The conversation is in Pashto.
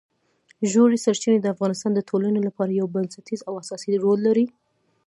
ژورې سرچینې د افغانستان د ټولنې لپاره یو بنسټیز او اساسي رول لري.